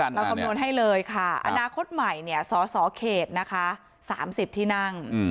คำนวณให้เลยค่ะอนาคตใหม่สสเขตนะคะ๓๐ที่นั่ง